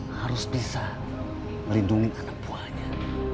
harus bisa melindungi anak buahnya